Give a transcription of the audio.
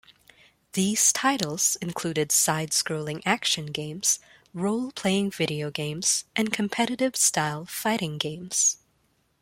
These titles included side-scrolling action games, role-playing video games and competitive-style fighting games.